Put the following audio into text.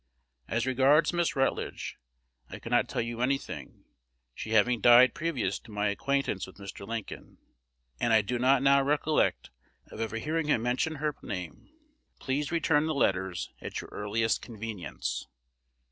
As regards Miss Rutledge, I cannot tell you any thing, she having died previous to my acquaintance with Mr. Lincoln; and I do not now recollect of ever hearing him mention her name. Please return the letters at your earliest convenience.